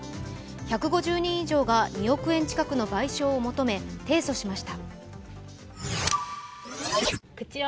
１５０人以上が２億円近くの賠償を求め提訴しました。